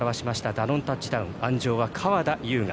ダノンタッチダウン鞍上は川田将雅。